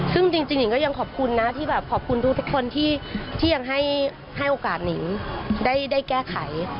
ซึ่งจริงหนิงก็ยังขอบคุณนะที่แบบขอบคุณทุกคนที่ยังให้โอกาสนิงได้แก้ไข